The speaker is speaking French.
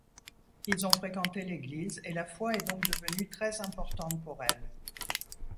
Ils ont fréquenté l’église et la foi est donc devenue très importante pour elle.